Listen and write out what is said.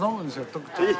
徳ちゃんに。